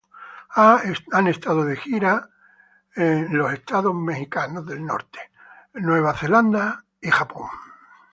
Han estado de gira en los Estados Unidos, Nueva Zelanda y Japón.